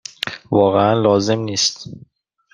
واقعا لازم نیست.